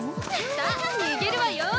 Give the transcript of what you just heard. さあ逃げるわよ！